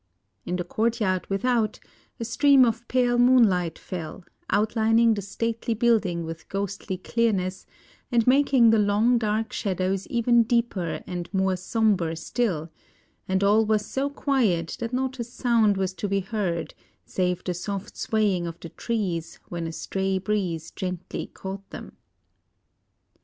In the courtyard without, a stream of pale moonlight fell, outlining the stately building with ghostly clearness, and making the long dark shadows even deeper and more sombre still; and all was so quiet that not a sound was to be heard save the soft swaying of the trees when a stray breeze gently caught them.